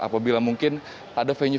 atau apabila mungkin ada fungsi lain